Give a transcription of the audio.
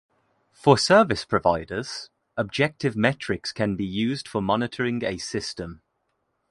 For service providers, objective metrics can be used for monitoring a system.